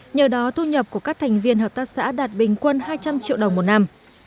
nhờ đó thu nhập của các thành viên hợp tác xã đạt bình quân hai trăm linh triệu đồng một năm